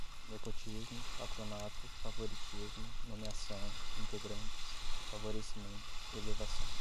nepotismo, patronato, favoritismo, nomeação, integrantes, favorecimento, elevação